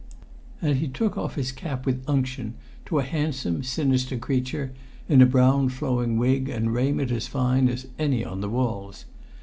And he took off his cap with unction to a handsome, sinister creature, in a brown flowing wig and raiment as fine as any on the walls.